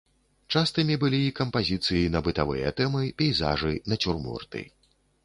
Частымі былі і кампазіцыі на бытавыя тэмы, пейзажы, нацюрморты.